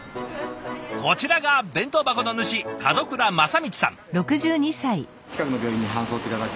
こちらが弁当箱の主門倉正道さん。